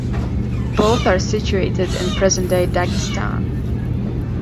Both are situated in present-day Dagistan.